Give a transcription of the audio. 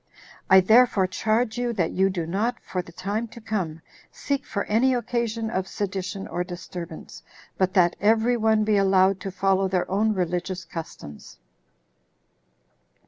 I therefore charge you, that you do not, for the time to come, seek for any occasion of sedition or disturbance, but that every one be allowed to follow their own religious customs."